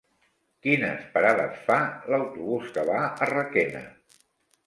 Quines parades fa l'autobús que va a Requena?